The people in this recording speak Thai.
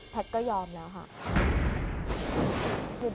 ก็ยอมแล้วค่ะ